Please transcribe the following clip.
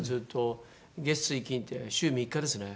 月水金って週３日ですね。